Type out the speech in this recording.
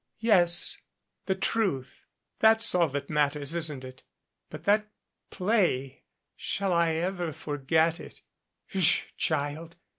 "Yes the truth. That is all that matters, isn't it? But that play shall I ever forget it?" "Sh child.